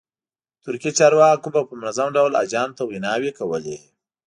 ترکي چارواکو به په منظم ډول حاجیانو ته ویناوې کولې.